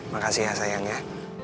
makasih ya sayangnya